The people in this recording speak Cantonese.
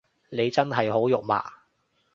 你真係好肉麻